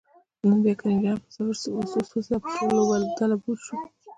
نن بیا کریم جنت په صفر وسوځید، او په ټوله لوبډله بوج شو